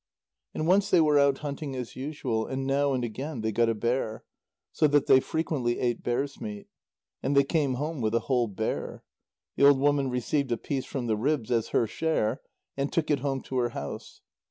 And once they were out hunting as usual, and now and again they got a bear, so that they frequently ate bear's meat. And they came home with a whole bear. The old woman received a piece from the ribs as her share, and took it home to her house.